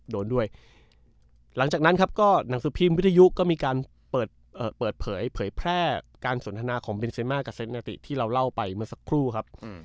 โดนด้วยหลังจากนั้นครับก็หนังสือพิมพ์วิทยุก็มีการเปิดเผยแพร่การสนทนาของเบนเซมากับเซฟนาติที่เราเล่าไปเมื่อสักครู่ครับ